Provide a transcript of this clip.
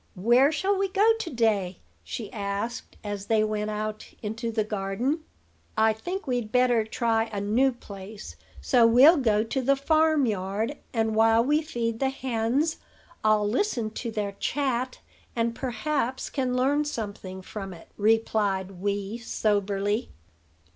"Where shall we go to day?" she asked, as they went out into the garden. "I think we'd better try a new place; so we'll go to the farmyard; and, while we feed the hens, I'll listen to their chat, and perhaps can learn something from it," replied Wee soberly.